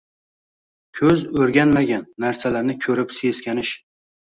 – ko‘z o‘rganmagan narsalarni ko‘rib seskanish